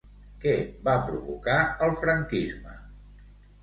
Què va provocar el franquisme?